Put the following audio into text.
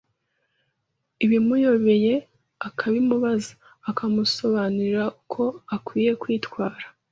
ibimuyobeye akabimubaza, akamusobanuza uko akwiye kwitwara